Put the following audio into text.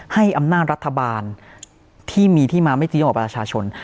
ให้อำนาจรัฐบาลที่มีที่มาไม่จริงต่อประชาชน